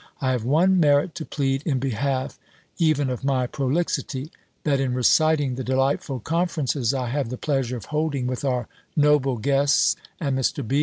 I have one merit to plead in behalf even of my prolixity; that in reciting the delightful conferences I have the pleasure of holding with our noble guests and Mr. B.